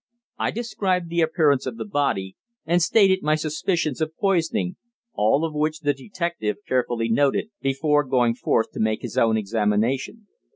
I described the appearance of the body, and stated my suspicions of poisoning, all of which the detective carefully noted before going forth to make his own examination.